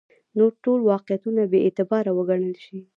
نور ټول واقعیتونه بې اعتباره ونه ګڼل شي.